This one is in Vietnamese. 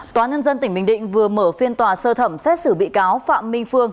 tòa nhân dân tỉnh bình định vừa mở phiên tòa sơ thẩm xét xử bị cáo phạm minh phương